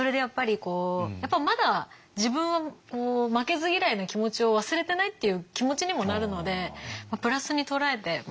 こうまだ自分も負けず嫌いな気持ちを忘れてないっていう気持ちにもなるのでプラスに捉えてましたね